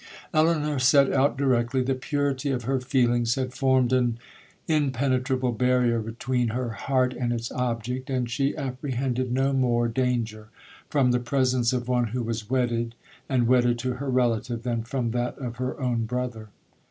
'Elinor set out directly. The purity of her feelings had formed an impenetrable barrier between her heart and its object,—and she apprehended no more danger from the presence of one who was wedded, and wedded to her relative, than from that of her own brother.